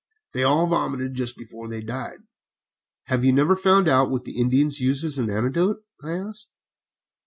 They all vomited just before they died." "Have you never found out what the Indians use as an antidote?" I asked.